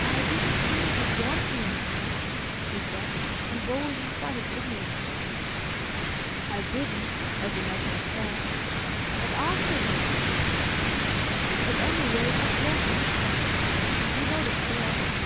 "I didn't think you'd want me any more," she said, emboldened by his ignorance. "I didn't, as a matter of fact—but afterwards—At any rate I'm glad you've come. You know the stairs."